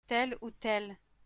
Telle ou telle.